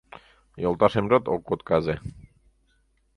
Йолташемжат ок отказе.